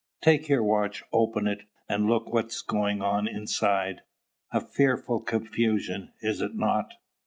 Take your watch, open it, and look what is going on inside. A fearful confusion, is it not?